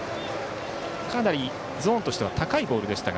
かなりゾーンとしては高いボールでした。